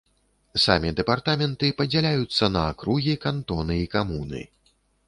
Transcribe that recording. Самі дэпартаменты падзяляюцца на акругі, кантоны і камуны.